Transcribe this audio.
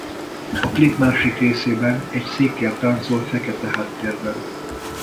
A klip másik részében egy székkel táncol fekete háttérben.